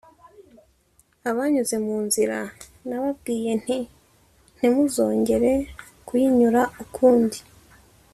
abanyuze mu nzira nababwiye nti ‘ntimuzongera kuyinyura ukundi’